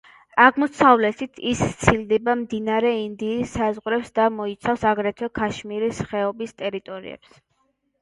აღმოსავლეთით ის სცილდება მდინარე ინდის საზღვრებს და მოიცავს, აგრეთვე, ქაშმირის ხეობის ტერიტორიებს.